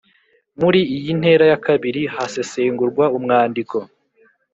Muri iyi ntera ya kabiri hasesengurwa umwandiko